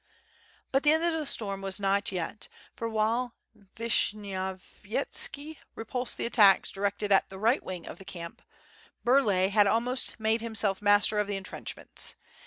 But the end of the storm was not yet, for while Vishny ovyetski repulsed the attacks directed against the right wing of the camp, Burlay had almost made himself master of the entrenchments.